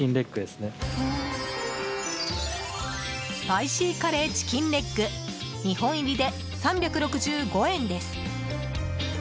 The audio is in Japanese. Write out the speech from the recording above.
スパイシーカレーチキンレッグ２本入りで、３６５円です。